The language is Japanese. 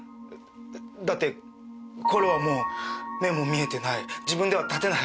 だってコロはもう目も見えてない自分では立てない。